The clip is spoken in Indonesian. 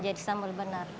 jadi sambal benar